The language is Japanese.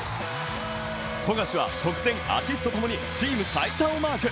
富樫は得点、アシスト共にチームトップをマーク。